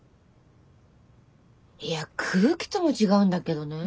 いや空気とも違うんだけどねぇ。